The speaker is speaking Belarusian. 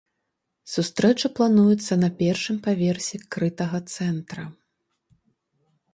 Сустрэча плануецца на першым паверсе крытага цэнтра.